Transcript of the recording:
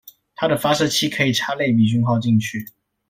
它的發射器可以插類比訊號進去